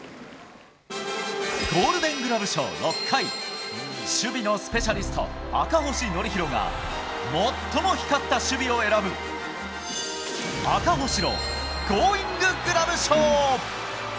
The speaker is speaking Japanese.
ゴールデングラブ賞６回、守備のスペシャリスト、赤星憲広が、最も光った守備を選ぶ、赤星のゴーインググラブ賞。